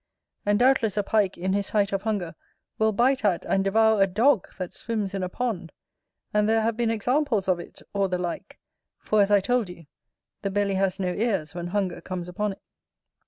And doubtless a Pike in his height of hunger will bite at and devour a dog that swims in a pond; and there have been examples of it, or the like; for as I told you, "The belly has no ears when hunger comes upon it".